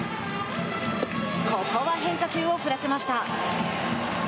ここは変化球を振らせました。